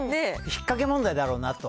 引っかけ問題だろうなと。